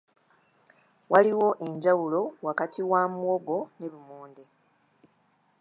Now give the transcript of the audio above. Waliwo enjawulo wakati wa muwogo ne lumonde